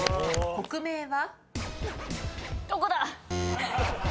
国名は？